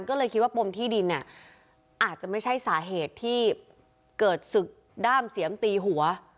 ก็เลยคิดว่าปมที่ดินเนี่ยอาจจะไม่ใช่สาเหตุที่เกิดศึกด้ามเสียมตีหัว